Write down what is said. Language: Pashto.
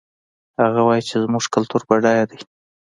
هغه وایي چې زموږ کلتور بډایه ده